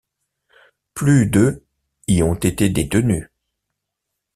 Plus de y ont été détenues.